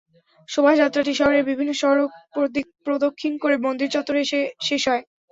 শোভাযাত্রাটি শহরের বিভিন্ন সড়ক প্রদক্ষিণ করে মন্দিরের চত্বরে এসে শেষ হয়।